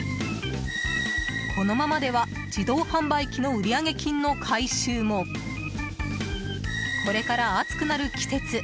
このままでは自動販売機の売上金の回収もこれから暑くなる季節